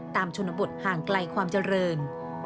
ชนบทห่างไกลความเจริญ